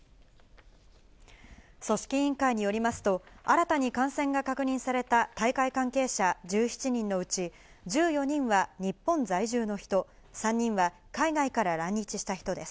組織委員会によりますと、新たに感染が確認された大会関係者１７人のうち、１４人は日本在住の人、３人は海外から来日した人です。